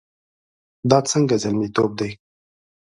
دا څنګه زلميتوب دی؟